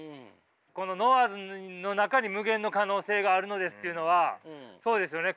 この「ノワーズの中に無限の可能性があるのです」っていうのはそうですよね